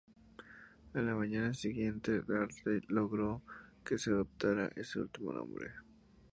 A la mañana siguiente, Daltrey logró que se adoptara ese último nombre.